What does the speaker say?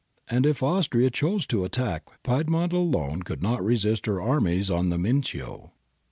And if Austria chose to attack. Piedmont alone could not resist her armies on the Mincio.